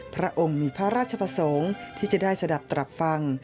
พระองค์มีพระราชประสงค์ที่จะได้สะดับตรับฟัง